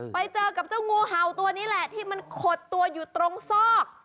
ไปเจอกับเจ้างูเห่าตัวนี้แหละที่มันขดตัวอยู่ตรงซอก